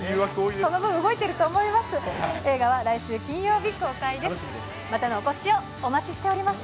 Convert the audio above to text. その分動いていると思います。